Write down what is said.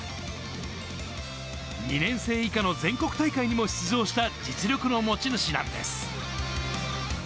２年生以下の全国大会にも出場した実力の持ち主なんです。